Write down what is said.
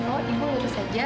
oh ibu lurus aja